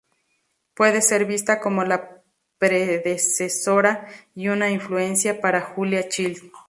Puede ser vista como la predecesora y una influencia para Julia Child.